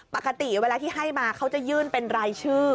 ปกติเวลาที่ให้มาเขาจะยื่นเป็นรายชื่อ